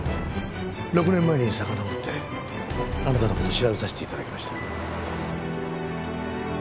６年前にさかのぼってあなたの事調べさせて頂きました。